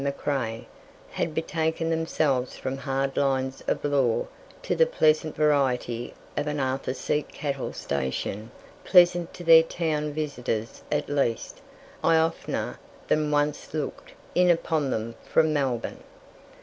McCrae, had betaken themselves from hard lines of law to the pleasant variety of an Arthur Seat cattle station pleasant to their town visitors at least I oftener than once looked in upon them from Melbourne.